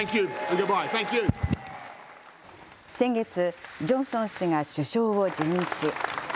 先月、ジョンソン氏が首相を辞任し。